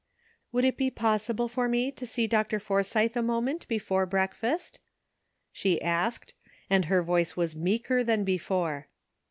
'' Would it be possible for me to see Dr. Forsythe a moment before breakfast ?" she asked, and her voice was meeker than before.